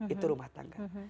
itu rumah tangga